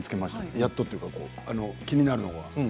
やってというか気になるのがある。